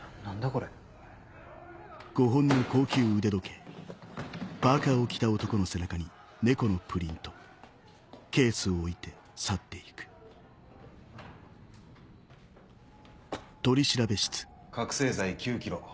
これ・覚醒剤９ｋｇ。